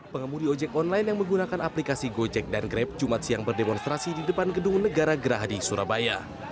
pengemudi ojek online yang menggunakan aplikasi gojek dan grab jumat siang berdemonstrasi di depan gedung negara gerahadi surabaya